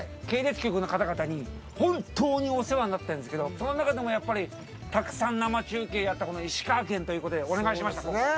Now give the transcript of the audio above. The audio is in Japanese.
系列局の方々に本当にお世話になったんですけど、その中でもやっぱりたくさん生中継をやった石川県ということでお願いしました。